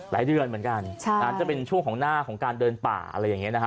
หลายเดือนเหมือนกันใช่อาจจะเป็นช่วงของหน้าของการเดินป่าอะไรอย่างนี้นะฮะ